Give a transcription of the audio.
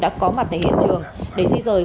đã có mặt tại hiện trường để di rời